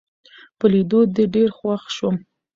په لیدو دي ډېر خوښ شوم